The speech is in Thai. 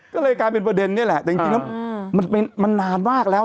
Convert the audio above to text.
ก็เลยกลายเป็นประเด็นนี่แหละแต่จริงแล้วมันนานมากแล้ว